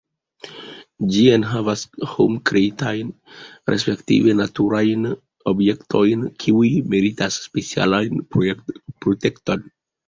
Ĝi enhavas hom-kreitajn respektive naturajn objektojn, kiuj meritas specialan protekton.